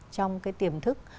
trong cái tiềm thức